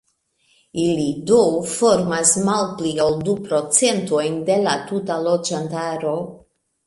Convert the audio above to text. Ili do formas malpli ol du procentojn de la tuta loĝantaro.